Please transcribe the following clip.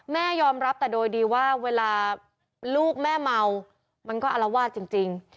แม่ยอมรับแต่โดยดีว่าเวลาลูกแม่เมามันก็อารวาสจริง